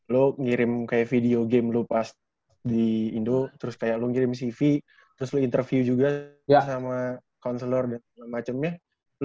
lo ngirim kayak video game lo pas di indo terus kayak lo ngirim cv terus lo interview juga sama konselor dan segala macemnya